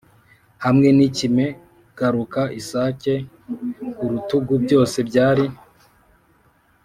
hamwe n'ikime, garuka, isake ku rutugu: byose byari